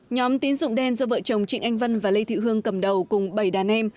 nhóm tín dụng đen do vợ chồng trịnh anh vân và lê thị hương cầm đầu cùng bảy đàn em